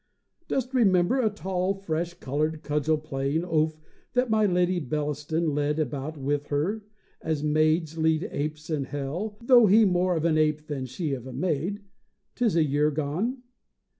Dost remember a tall, fresh coloured, cudgel playing oaf that my Lady Bellaston led about with her—as maids lead apes in hell, though he more of an ape than she of a maid—'tis a year gone?